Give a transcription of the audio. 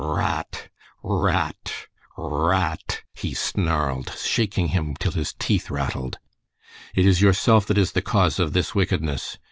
"R r r a a t! R r r a a t! R r r a a t!" he snarled, shaking him till his teeth rattled. "It is yourself that is the cause of this wickedness.